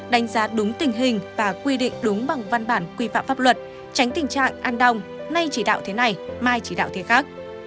đánh giá đúng tình hình và quy định đúng bằng văn bản quy phạm pháp luật tránh tình trạng an đông nay chỉ đạo thế này mai chỉ đạo thế khác